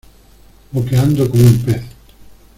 boqueando como un pez.